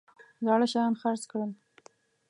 زاړه شیان خرڅ کړل.